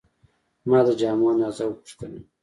ما د جامو اندازه وپوښتله.